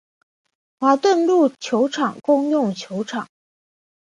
华顿路球场共用球场。